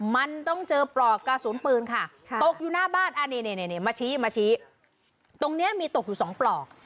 มันต้องเจอปลอกกระสุนปืนค่ะตกอยู่หน้าบ้านมาชี้ตรงนี้มีตกอยู่สองปลอก